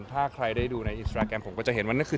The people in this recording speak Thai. ถ้าใครได้ดูในอินสตราแกรมผมก็จะเห็นว่านั่นคือ